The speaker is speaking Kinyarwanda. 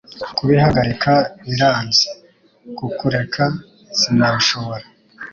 Kubihagarika biranze Kukureka Sinabishobora